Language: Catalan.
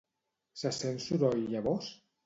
Se sent soroll llavors?